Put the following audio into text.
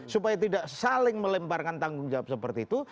supaya tidak saling melemparkan tanggung jawab seperti itu